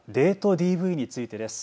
ＤＶについてです。